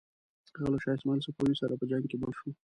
هغه له شاه اسماعیل صفوي سره په جنګ کې مړ شو.